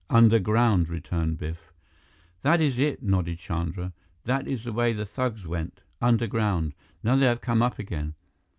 "Underground," returned Biff. "That is it," nodded Chandra. "That is the way the thugs went. Underground. Now they have come up again."